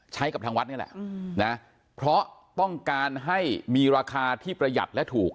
ใช้กับทางวัดนี่แหละนะเพราะต้องการให้มีราคาที่ประหยัดและถูก